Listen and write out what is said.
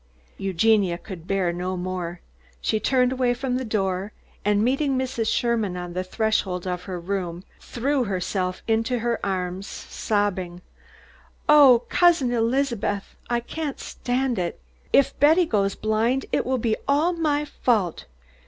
Eugenia could bear no more. She turned away from the door, and, meeting Mrs. Sherman on the threshold of her room, threw herself into her arms, sobbing: "Oh, Cousin Elizabeth, I can't stand it. If Betty goes blind it will be all my fault!